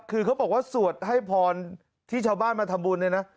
คือเขาบอกว่าสวดให้พรที่ชาวบ้านมาทำบุญเนี่ยนะ